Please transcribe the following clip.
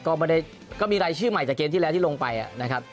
ก็ไม่ได้ก็มีรายชื่อใหม่จากเกมที่แล้วที่ลงไปนะครับ